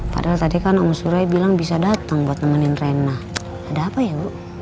padahal tadi kan om suroi bilang bisa datang buat nemenin rena ada apa ya bu